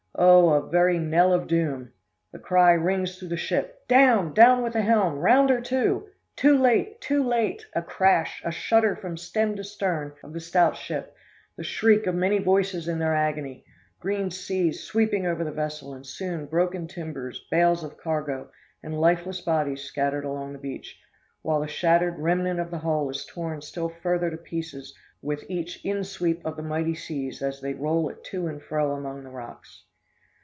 Oh, a very knell of doom! The cry rings through the ship, 'Down, down with the helm round her to!' Too late, too late! A crash, a shudder from stem to stern of the stout ship, the shriek of many voices in their agony, green seas sweeping over the vessel, and soon broken timbers, bales of cargo, and lifeless bodies scattered along the beach, while the shattered remnant of the hull is torn still further to pieces with each insweep of the mighty seas as they roll it to and fro among the rocks.